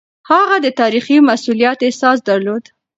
هغه د تاريخي مسووليت احساس درلود.